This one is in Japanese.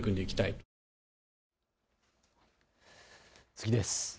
次です。